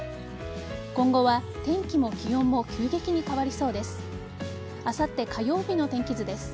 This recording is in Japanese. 今後は天気も気温も急激に変わりそうです。